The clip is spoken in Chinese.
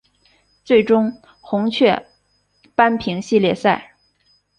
最终红雀扳平系列赛。